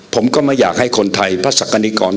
ผมก็ไม่อยากให้คนไทยพระศักดิกร